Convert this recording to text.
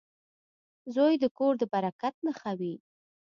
• زوی د کور د برکت نښه وي.